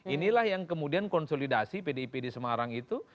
inilah yang kemudian konsolidasi pdip di semarang itu